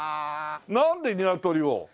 なんでニワトリを？